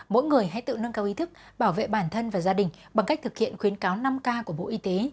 mỗi người hãy tự nâng cao ý thức bảo vệ bản thân và gia đình bằng cách thực hiện khuyến cáo năm k của bộ y tế